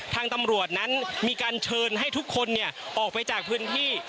ทางตำรวจนั้นมีการเชิญให้ทุกคนออกไปจากพื้นที่